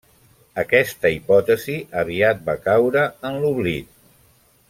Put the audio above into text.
Aquesta hipòtesi aviat va caure en l'oblit.